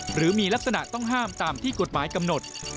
หรือมีลักษณะต้องห้ามตามที่กฎหมายกำหนด